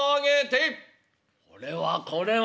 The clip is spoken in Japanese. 「これはこれは。